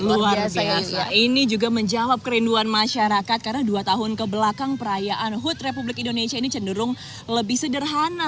luar biasa ini juga menjawab kerinduan masyarakat karena dua tahun kebelakang perayaan hood republik indonesia ini cenderung lebih sederhana